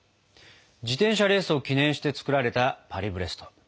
自転車レースを記念して作られたパリブレスト。